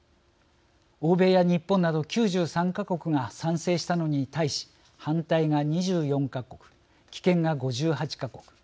欧米や日本など９３か国が賛成したのに対し反対が２４か国棄権が５８か国。